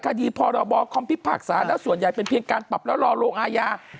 คดีพรบคอมพิพากษาแล้วส่วนใหญ่เป็นเพียงการปรับแล้วรอลงอาญา